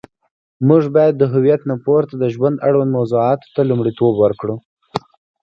موږ باید د هویت نه پورته د ژوند اړوند موضوعاتو ته لومړیتوب ورکړو.